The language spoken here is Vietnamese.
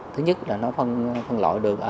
thứ nhất là nó phân loại được